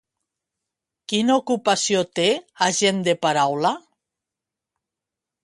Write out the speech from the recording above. Quina ocupació té a Gent de paraula?